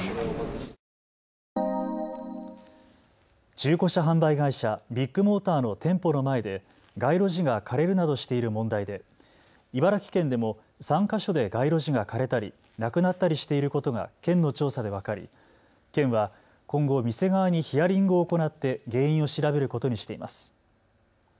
中古車販売会社、ビッグモーターの店舗の前で街路樹が枯れるなどしている問題で茨城県でも３か所で街路樹が枯れたりなくなったりしていることが県の調査で分かり県は今後、店側にヒアリングを行って原因を調べることにしています。